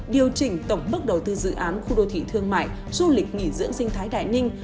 điều chỉnh tổng bức đầu tư dự án khu đô thị thương mại du lịch nghỉ dưỡng sinh thái đại ninh